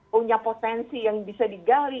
punya potensi yang bisa digali